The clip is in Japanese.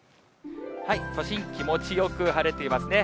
都心、気持ちよく晴れていますね。